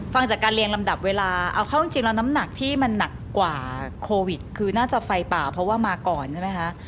ฟังจากการเรียงลำดับเวลาเอาเข้าจริงแล้วน้ำหนักที่มันหนักกว่าโควิดคือน่าจะไฟป่าเพราะว่ามาก่อนใช่ไหมคะ